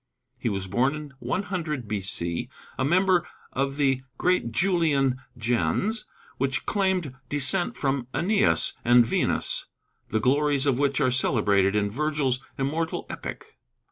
He was born 100 B.C., a member of the great Julian gens, which claimed descent from Æneas and Venus, the glories of which are celebrated in Vergil's immortal epic.